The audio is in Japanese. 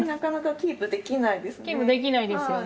キープできないですよね。